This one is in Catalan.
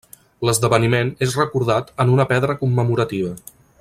L’esdeveniment és recordat en una pedra commemorativa.